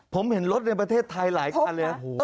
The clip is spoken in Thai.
ผมเห็นรถในประเทศไทยหลายคันเลย